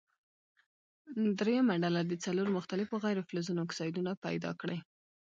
دریمه ډله دې څلور مختلفو غیر فلزونو اکسایدونه پیداکړي.